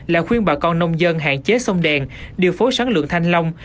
là khuyên bà con nông dân hạn chế sông đèn điều phối sản lượng thanh long